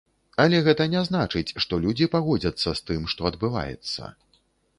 Але гэта не значыць, што людзі пагодзяцца з тым, што адбываецца.